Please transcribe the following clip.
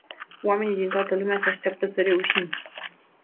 Oameni din toată lumea se așteaptă să reușim.